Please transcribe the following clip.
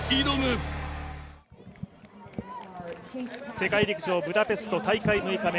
世界陸上ブダペスト大会６日目。